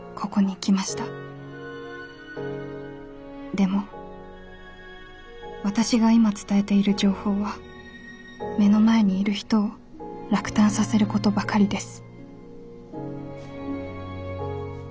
でも私が今伝えている情報は目の前にいる人を落胆させることばかりです」。